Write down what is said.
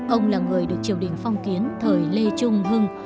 ông là người được triều đình phong kiến thời lê trung hưng